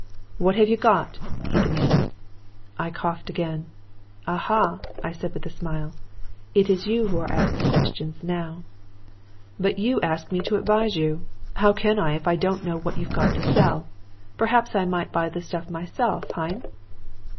"'What have you got?' he demanded. "I coughed again. 'Aha!' I said with a smile. 'It is you who are asking questions now.' "'But you ask me to advise you. How can I if I don't know what you have got to sell? Perhaps I might buy the stuff myself. Hein?'